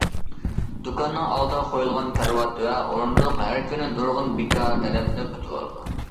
دۇكاننىڭ ئالدىغا قويۇلغان كارىۋات ۋە ئورۇندۇق ھەر كۈنى نۇرغۇن بىكار تەلەپنى كۈتۈۋالىدۇ.